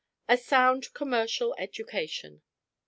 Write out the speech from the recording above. A SOUND COMMERCIAL EDUCATION.